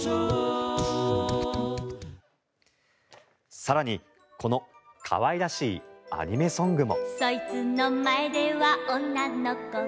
更にこの可愛らしいアニメソングも。